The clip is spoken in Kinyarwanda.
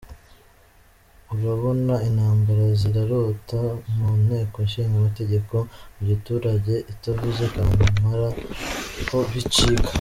Urabona intambara zirarota mu nteko ishinga mategeko, mugiturage utavuze Kampala ho bicika.